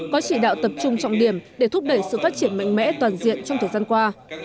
có chỉ đạo tập trung trọng điểm để thúc đẩy sự phát triển mạnh mẽ toàn diện trong thời gian qua